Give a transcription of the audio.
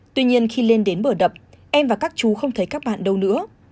tuy nhiên khi lên đến bờ đập em và các chú không thấy các bạn đâu nữa